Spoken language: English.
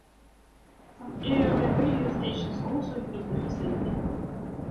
Some area radio stations also use the facility.